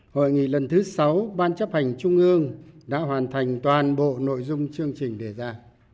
hội nghị lần thứ sáu ban chấp hành trung ương đã hoàn thành toàn bộ nội dung chương trình đề ra